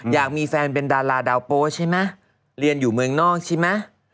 อยากมีแฟนเป็นดาราดาวโป๊ใช่ไหมเรียนอยู่เมืองนอกใช่ไหม